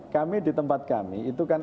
kami di tempat kami itu kan